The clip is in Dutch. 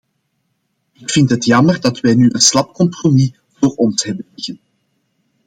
Ik vind het jammer dat wij nu een slap compromis voor ons hebben liggen.